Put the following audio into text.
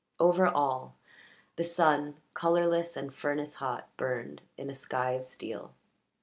Over all, the sun, colourless and furnace hot, burned in a sky of steel.